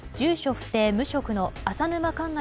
不定・無職の浅沼かんな